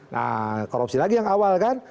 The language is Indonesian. nah korupsi lagi yang awal kan